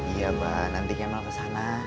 iya abah nanti kemal kesana